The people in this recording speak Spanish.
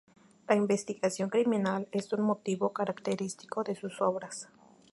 La investigación criminal es un motivo característico de sus obras.